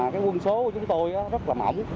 cái quân số của chúng tôi rất là mỏng